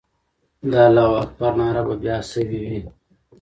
د الله اکبر ناره به بیا سوې وي.